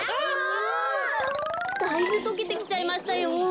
だいぶとけてきちゃいましたよ。